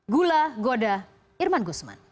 gula goda irman guzman